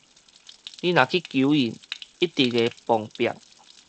你若去求伊，一定會碰壁